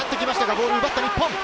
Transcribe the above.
ボールを奪った日本。